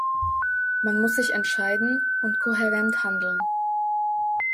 Man muss sich entscheiden und kohärent handeln.